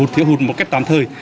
thiếu hụt một cách tạm thời